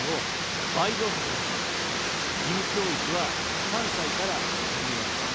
義務教育は３歳から始めます。